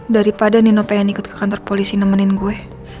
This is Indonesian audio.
daripada nino pengen ikut ke kantor polisi nemenin gue